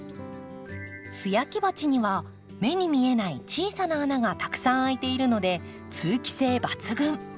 素焼き鉢には目に見えない小さな穴がたくさん開いているので通気性抜群。